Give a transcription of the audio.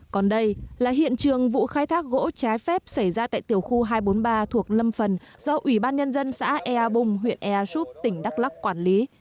còn đây là hiện trường vụ khai thác gỗ trái phép xảy ra tại tiểu khu hai trăm bốn mươi ba thuộc lâm phần do ủy ban nhân dân xã ea bung huyện ea súp tỉnh đắk lắc quản lý